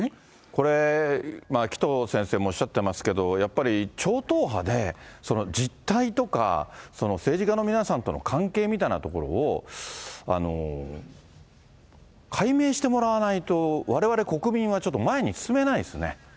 これ、紀藤先生もおっしゃっていますけれども、やっぱり超党派で実態とか、政治家の皆さんとの関係みたいなところを、解明してもらわないと、われわれ国民はちょっと前に進めないですね。